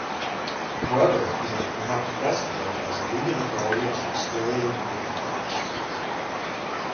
However, he was perhaps best known as a leading authority on Australian blowflies.